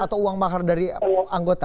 atau uang mahar dari anggota